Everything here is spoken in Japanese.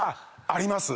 あります。